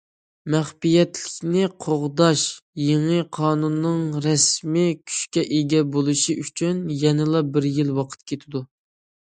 مەخپىيەتلىكنى قوغداش يېڭى قانۇنىنىڭ رەسمىي كۈچكە ئىگە بولۇشى ئۈچۈن يەنە بىر يىل ۋاقىت كېتىدۇ.